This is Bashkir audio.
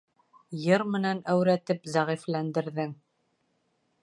— Йыр менән әүрәтеп, зәғифләндерҙең!